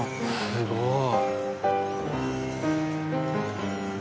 すごい。